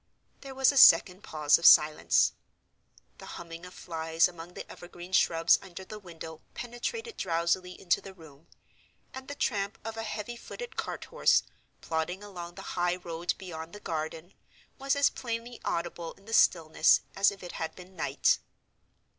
There was a second pause of silence. The humming of flies among the evergreen shrubs under the window penetrated drowsily into the room; and the tramp of a heavy footed cart horse, plodding along the high road beyond the garden, was as plainly audible in the stillness as if it had been night.